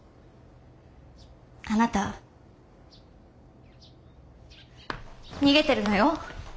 あなた逃げてるのよ。